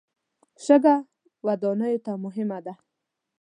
شګه ودانیو ته مهمه ده.